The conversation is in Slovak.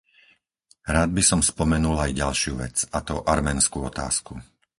Rád by som spomenul aj ďalšiu vec, a to arménsku otázku.